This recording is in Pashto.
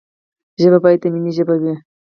ژبه باید د ميني ژبه وي.